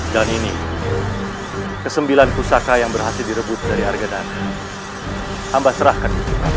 dan ini kesembilan pusaka yang berhasil direbut dari harga dana hamba serahkan